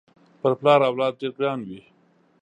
پر پلار اولاد ډېر ګران وي